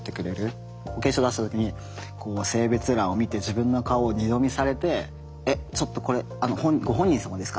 保険証出した時に性別欄を見て自分の顔を二度見されてえっちょっとこれご本人様ですか？